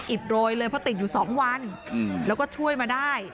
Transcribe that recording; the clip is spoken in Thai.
โรยเลยเพราะติดอยู่๒วันแล้วก็ช่วยมาได้